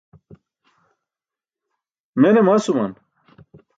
Mene masuman?